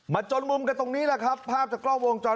จนมุมกันตรงนี้แหละครับภาพจากกล้องวงจร